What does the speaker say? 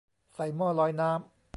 ใส่หม้อลอยน้ำ